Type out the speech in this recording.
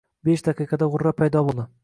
Besh daqiqada g‘urra paydo bo‘ldi.